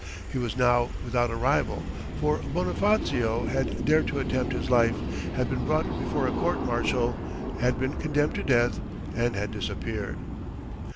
He was now without a rival, for Bonifacio had dared to attempt his life, had been brought before a court martial, had been condemned to death and had disappeared.